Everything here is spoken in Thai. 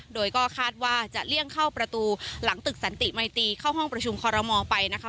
โดยก็คาดว่าจะเลี่ยงเข้าประตูหลังตึกสันติมัยตีเข้าห้องประชุมคอรมอลไปนะคะ